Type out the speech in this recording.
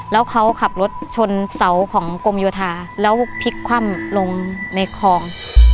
แล้วเขาขับรถชนเสาของกรมโยธาแล้วพลิกคว่ำลงในคลอง